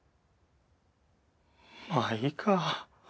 まあいいか。